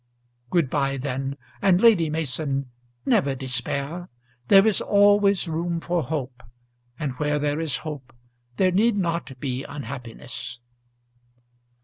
"Good bye then, and, Lady Mason, never despair. There is always room for hope; and where there is hope there need not be unhappiness."